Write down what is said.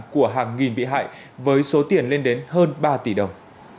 của hàng nghìn bị hại với số tiền lên đến hơn ba tỷ đồng